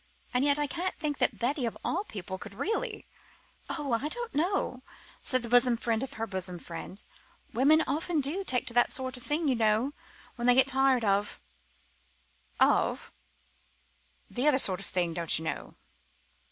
And yet I can't think that Betty of all people could really " "Oh I don't know," said the bosom friend of her bosom friend. "Women often do take to that sort of thing, you know, when they get tired of " "Of?" "The other sort of thing, don't you know!"